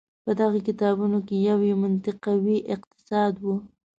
په دغو کتابونو کې یو یې منطقوي اقتصاد و.